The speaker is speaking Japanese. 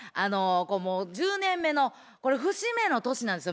もう１０年目の節目の年なんですよ